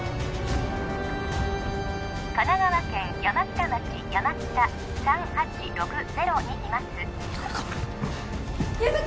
神奈川県山北町山北３８６０にいます行こう優月！